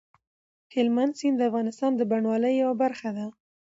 هلمند سیند د افغانستان د بڼوالۍ یوه برخه ده.